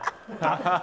ハハハ！